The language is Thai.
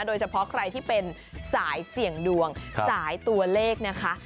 โดยเฉพาะใครที่เป็นสายเสี่ยงดวงสายตัวเลขนะคะ